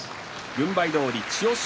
軍配どおり千代翔